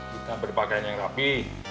kita berpakaian yang rapi